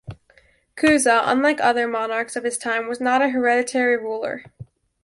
Cuza, unlike other monarchs of his time, was not a hereditary ruler.